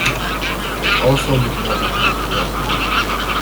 It also did not include a dock.